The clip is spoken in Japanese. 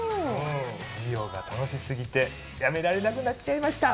授業が楽し過ぎてやめられなくなっちゃいました。